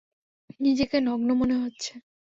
নিজেকে নগ্ন মনে হচ্ছে।